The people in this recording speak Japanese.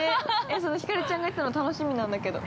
そのひかるちゃんが言ってたの、楽しみなんだけど。